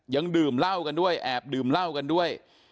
ดื่มเหล้ากันด้วยแอบดื่มเหล้ากันด้วย